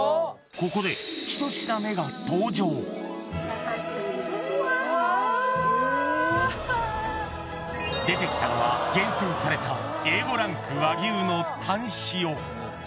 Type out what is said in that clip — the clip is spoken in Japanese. ここでうわうわ出てきたのは厳選されたＡ５ランク和牛のタン塩